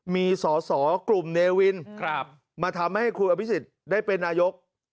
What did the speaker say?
มีสอสอกลุ่มเนวินมาทำให้คุณอภิษฎได้เป็นนายก